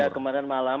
ya kemarin malam